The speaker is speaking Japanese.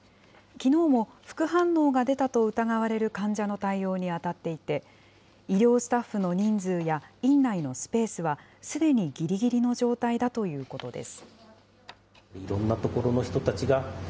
きのうも副反応が出たと疑われる患者の対応に当たっていて、医療スタッフの人数や院内のスペースは、すでにぎりぎりの状態だということです。